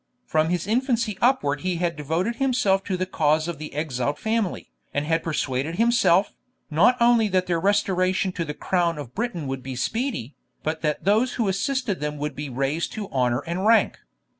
From his infancy upward he had devoted himself to the cause of the exiled family, and had persuaded himself, not only that their restoration to the crown of Britain would be speedy, but that those who assisted them would be raised to honour and rank.